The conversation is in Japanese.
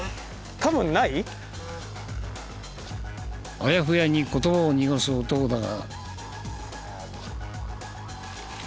あやふやに言葉を濁す男だが。